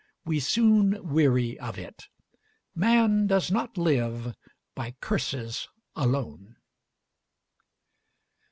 We soon weary of it. Man does not live by curses alone.